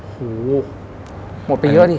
โหหมดไปเยอะดิ